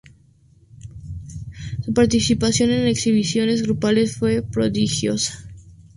Su participación en exhibiciones grupales fue prodigiosa.